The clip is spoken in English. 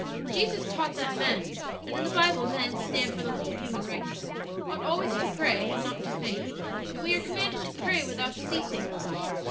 "Jesus taught that men (and in the Bible men stand for the whole human race) 'ought always to pray and not to faint.' And we are commanded to pray without ceasing."